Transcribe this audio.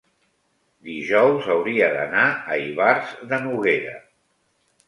dijous hauria d'anar a Ivars de Noguera.